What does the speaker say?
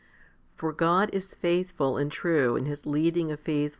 4. For God is faithful and true in His leading of faithful 1 Heb.